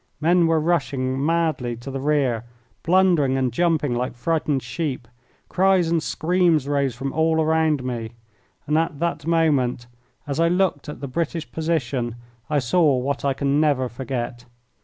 Men were rushing madly to the rear, blundering and jumping like frightened sheep. Cries and screams rose from all around me. And at that moment, as I looked at the British position, I saw what I can never forget.